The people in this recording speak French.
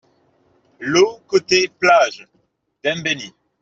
LOT COTE PLAGE, Dembéni